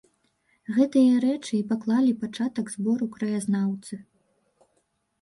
Гэтыя рэчы і паклалі пачатак збору краязнаўцы.